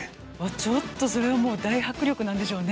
ちょっとそれはもう大迫力なんでしょうね。